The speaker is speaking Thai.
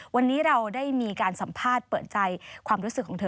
วันนี้เราได้มีการสัมภาษณ์เปิดใจความรู้สึกของเธอ